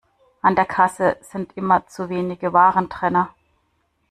An der Kasse sind immer zu wenige Warentrenner.